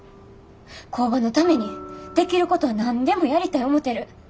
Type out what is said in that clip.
工場のためにできることは何でもやりたい思てる。